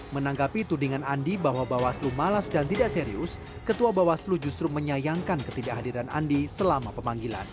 menanggapi tudingan andi bahwa bawaslu malas dan tidak serius ketua bawaslu justru menyayangkan ketidakhadiran andi selama pemanggilan